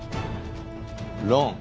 ロン。